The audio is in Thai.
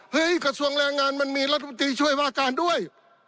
กระทรวงแรงงานมันมีรัฐมนตรีช่วยว่าการด้วย